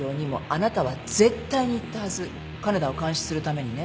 金田を監視するためにね。